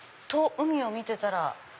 海を見てたら。